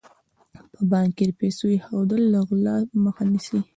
په بانک کې د پیسو ایښودل له غلا مخه نیسي.